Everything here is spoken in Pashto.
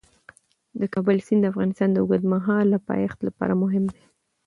د کابل سیند د افغانستان د اوږدمهاله پایښت لپاره مهم دی.